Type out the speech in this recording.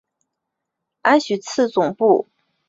安许茨总部设于德国乌尔姆。